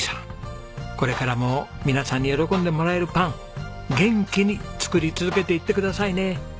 これからも皆さんに喜んでもらえるパン元気に作り続けていってくださいね。